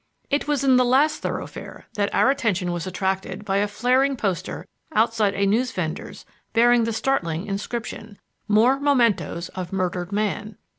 It was in the last thoroughfare that our attention was attracted by a flaring poster outside a newsvendor's bearing the startling inscription: "MORE MEMENTOES OF MURDERED MAN."